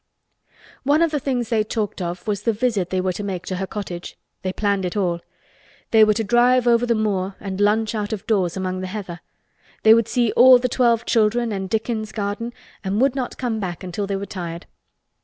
One of the things they talked of was the visit they were to make to her cottage. They planned it all. They were to drive over the moor and lunch out of doors among the heather. They would see all the twelve children and Dickon's garden and would not come back until they were tired.